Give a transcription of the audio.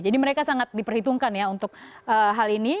jadi mereka sangat diperhitungkan ya untuk hal ini